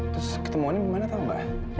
terus ketemuan ini dimana tahu mbak